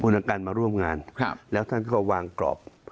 พูดทางการมาร่วมงานครับแล้วท่านก็วางกรอบ